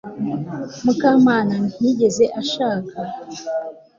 mukamana ntiyigeze ashaka